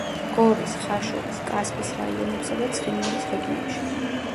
გორის, ხაშურის, კასპის რაიონებსა და ცხინვალის რეგიონში.